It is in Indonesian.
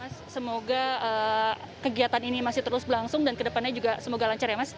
semoga kegiatan ini masih terus berlangsung dan kedepannya juga semoga lancar ya mas